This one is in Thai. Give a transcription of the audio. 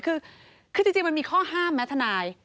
คือจริงมันมีข้อห้ามไหมทนาย